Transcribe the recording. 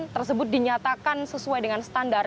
tersebut dinyatakan sesuai dengan standar